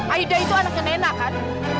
aida itu anaknya nena kan